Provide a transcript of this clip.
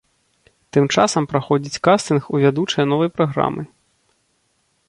Тым часам праходзіць кастынг у вядучыя новай праграмы.